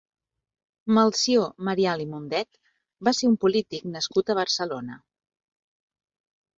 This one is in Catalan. Melcior Marial i Mundet va ser un polític nascut a Barcelona.